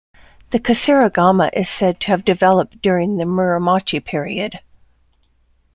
The kusarigama is said to have developed during the "Muromachi period".